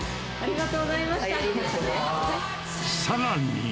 さらに。